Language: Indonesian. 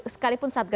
sekalipun saat ke